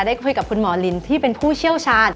ได้คุยกับคุณหมอลินที่เป็นผู้เชี่ยวชาญ